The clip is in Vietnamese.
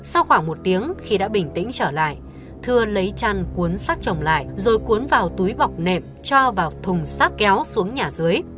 sau khoảng một tiếng khi đã bình tĩnh trở lại thưa lấy chăn cuốn xác chồng lại rồi cuốn vào túi bọc nệm cho vào thùng sát kéo xuống nhà dưới